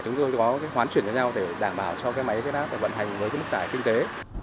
chúng tôi có hoán chuyển cho nhau để đảm bảo cho máy bến áp vận hành với mức tải kinh tế